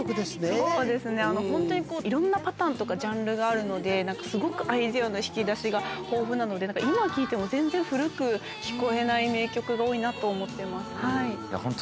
そうですね、本当にこういろんなパターンとかジャンルがあるので、なんかすごくアイデアの引き出しが豊富なので、なんか今聴いても、全然古く聞こえない名曲が多いなと思ってます。